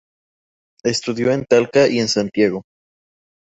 Estudió en Talca y en Santiago.